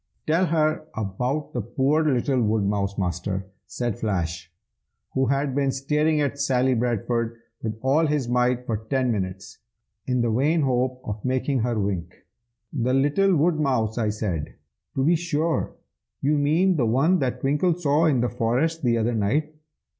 "Tell her about the poor little woodmouse, Master!" said Flash, who had been staring at Sally Bradford with all his might for ten minutes, in the vain hope of making her wink. "The little woodmouse?" I said. "To be sure! you mean the one that Twinkle saw in the forest the other night.